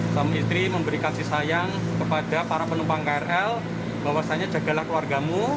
suami istri memberi kasih sayang kepada para penumpang krl bahwasannya jagalah keluargamu